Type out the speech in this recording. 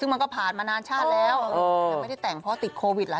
ซึ่งมันก็ผ่านมานานชาติแล้วยังไม่ได้แต่งเพราะติดโควิดแหละ